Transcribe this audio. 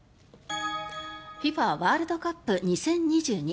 ＦＩＦＡワールドカップ２０２２。